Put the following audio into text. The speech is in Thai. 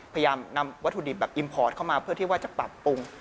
พยายามนำวัตถุดิบแบบอิมพอร์ตเข้ามาเพื่อที่ว่าจะปรับปรุง